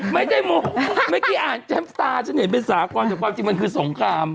ไม่ได้โมเมื่อกี้อ่านเต็มสตาร์ฉันเห็นเป็นสากรแต่ความจริงมันคือสงคราม